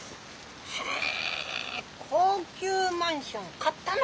へえ高級マンション買ったの！